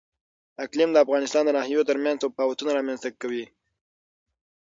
اقلیم د افغانستان د ناحیو ترمنځ تفاوتونه رامنځ ته کوي.